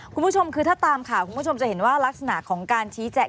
คุณผู้ชมคือถ้าตามข่าวคุณผู้ชมจะเห็นว่ารักษณะของการชี้แจง